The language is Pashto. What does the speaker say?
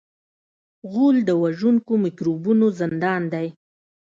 غول د وژونکو میکروبونو زندان دی.